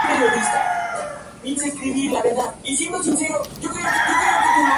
Es la secuela directa de Bomberman Land Touch!.